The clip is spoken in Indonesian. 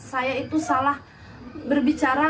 saya itu salah berbicara